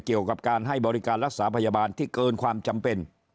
เกี่ยวกับการให้บริการรักษาพยาบาลที่เกินความจำเป็น